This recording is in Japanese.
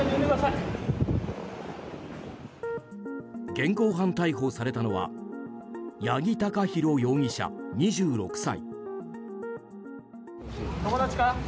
現行犯逮捕されたのは八木貴寛容疑者、２６歳。